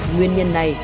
nguyên nhân này